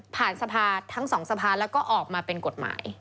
ผ่านสะพานทั้งสองสะพานแล้วก็ออกมาเป็นกฎหมาย